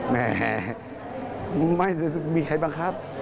ไม่ด้วยความสมาธิใจแหมมีใครบังคับ